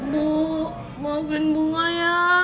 bu maafin bunga ya